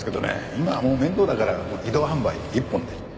今はもう面倒だから移動販売一本で。